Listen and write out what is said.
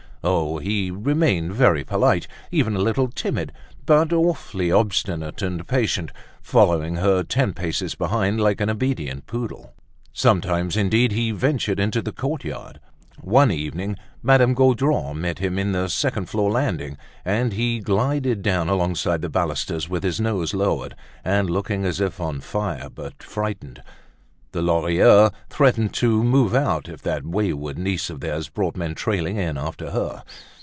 Oh! he remained very polite, even a little timid, but awfully obstinate and patient, following her ten paces behind like an obedient poodle. Sometimes, indeed, he ventured into the courtyard. One evening, Madame Gaudron met him on the second floor landing, and he glided down alongside the balusters with his nose lowered and looking as if on fire, but frightened. The Lorilleuxs threatened to move out if that wayward niece of theirs brought men trailing in after her.